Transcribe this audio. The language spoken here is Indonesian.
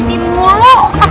pak ustadz ah